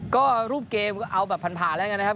ก็รูปเกมก็เอาแบบผ่านแล้วกันนะครับ